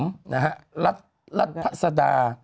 คือแข็มค์รัตพสดา